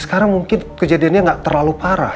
sekarang mungkin kejadiannya nggak terlalu parah